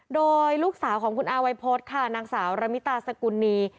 โดยลูกสาวของคุณอาวัยพฤษค่ะนางสาวระมิตาสกุลนี